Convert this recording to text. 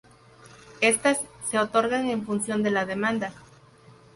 Estas se otorgan en función de la demanda.